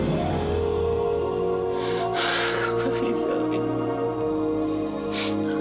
aku harus melupakan kamu